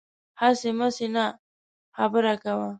هسې مسې نه، خبره کوه